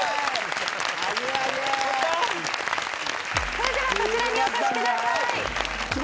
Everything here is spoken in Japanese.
それではこちらにお越しください。